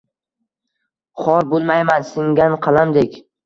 Xor bulmayman singan qalamdek